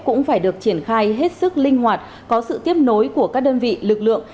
cũng phải được triển khai hết sức linh hoạt có sự tiếp nối của các đơn vị lực lượng